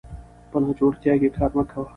په ناجوړتيا کې کار مه کوه